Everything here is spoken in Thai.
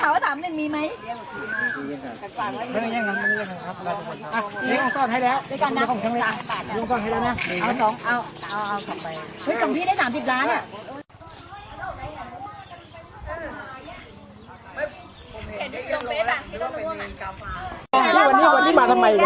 วันนี้วันนี้มาทำไมอย่างนี้ครับ